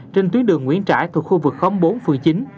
trên tuyến đường nguyễn trãi thuộc khu vực khóm bốn phường chín